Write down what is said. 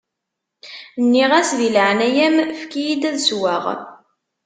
Nniɣ-as: Di leɛnaya-m, efk-iyi-d ad sweɣ.